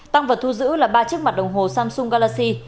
tăng vật thu giữ là ba chiếc mặt đồng hồ samsung galaxy